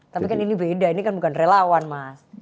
tapi kan ini beda ini kan bukan relawan mas